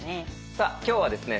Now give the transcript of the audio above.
さあ今日はですね